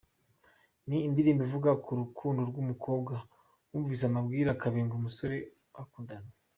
Ni indirimbo ivuga ku rukundo rw’umukobwa wumvise amabwire akabenga umusore bakundanye.